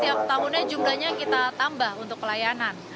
setiap tahunnya jumlahnya kita tambah untuk pelayanan